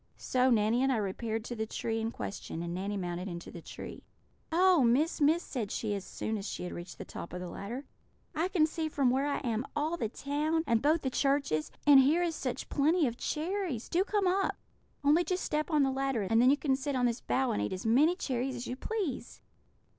So Nanny and I repaired to the tree in question, and Nanny mounted into the tree. "'Oh, Miss! Miss!' said she as soon as she had reached the top of the ladder, 'I can see from where I am all the town, and both the churches; and here is such plenty of cherries! Do come up! Only just step on the ladder, and then you can sit on this bough and eat as many cherries as you please.'"